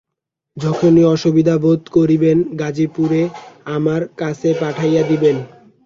যখনই অসুবিধা বোধ করিবেন গাজিপুরে আমার কাছে পাঠাইয়া দিবেন।